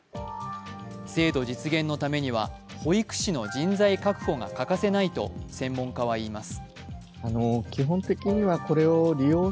制度実現のためには、保育士の人材確保が欠かせないと専門家は言います。